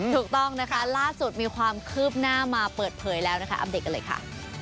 ถูกต้องนะคะล่าสุดมีความคืบหน้ามาเปิดเผยแล้วนะคะอัปเดตกันเลยค่ะ